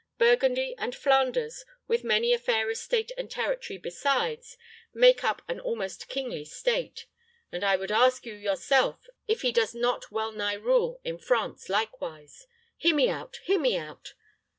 Burgundy and Flanders, with many a fair estate and territory besides, make up an almost kingly state, and I would ask you yourself if he does not well nigh rule in France likewise. Hear me out, hear me out!